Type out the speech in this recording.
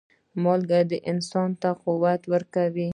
مالګه انسان ته قوه ورکوي.